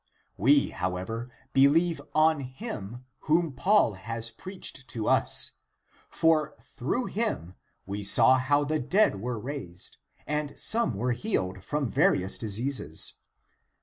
We however believe on him, whom Paul has preached to us. For through him we saw how the dead were raised and (some) were healed from various diseases.